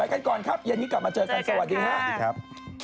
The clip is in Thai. ไปกันก่อนครับเย็นนี้กลับมาเจอกันสวัสดีครับ